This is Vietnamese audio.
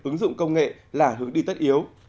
ứng dụng công nghệ là hướng đi tất yếu